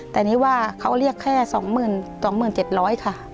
แต่นี่ว่าเขาเรียกแค่สองหมื่นเจ็ดร้อยค่ะ